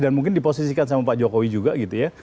dan mungkin diposisikan sama pak jokowi juga gitu ya